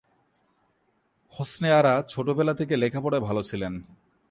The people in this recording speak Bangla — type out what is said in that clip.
হোসনে আরা ছোটবেলা থেকে লেখাপড়ায় ভালো ছিলেন।